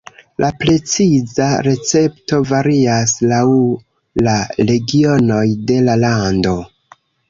La preciza recepto varias laŭ la regionoj de la lando.